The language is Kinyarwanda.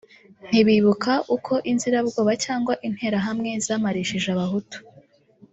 ntibibuka uko inzirabwoba cg interahamwe zamarishije Abahutu